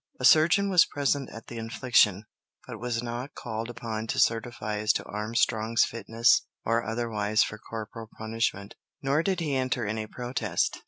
A surgeon was present at the infliction, but was not called upon to certify as to Armstrong's fitness or otherwise for corporal punishment, nor did he enter any protest.